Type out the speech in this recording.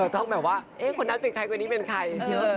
ต้องแบบว่าายเป็นใครนายเป็นใคร